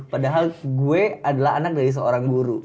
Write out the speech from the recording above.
padahal gue adalah anak dari seorang guru